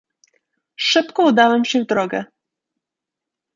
"Szybko udałem się w drogę."